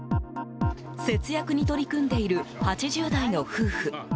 節約に取り組んでいる８０代の夫婦。